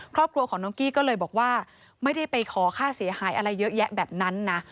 ครอบครัวของน้องกี้ก็เลยบอกว่าไม่ได้ไปขอค่าเสียหายอะไรเยอะแยะแบบนั้นนะ